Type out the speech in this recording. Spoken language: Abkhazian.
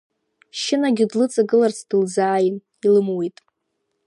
Шьынагьы длыҵагыларц дылзааин, илымуит.